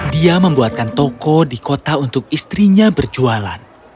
dia membuatkan toko di kota untuk istrinya berjualan